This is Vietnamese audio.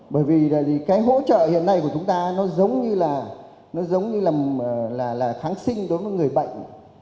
bởi vì cái hỗ trợ hiện nay của chúng ta nó giống như là kháng sinh đối với người bệnh